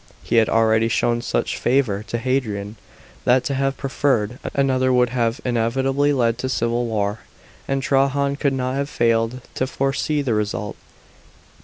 He had already shown such favour to Hadrian that to have preferred another would have inevitably led to civil war, and Trajan could not have failed to foresee the result.